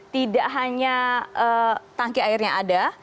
tidak hanya tangki airnya ada